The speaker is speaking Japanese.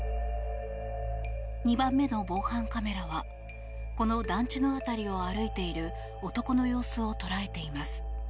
２番目の防犯カメラはこの団地の辺りを歩いている男の様子を捉えています。